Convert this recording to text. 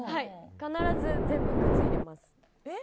必ず全部、靴入れます。